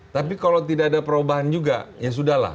tapi kalau tidak ada perubahan juga ya sudah lah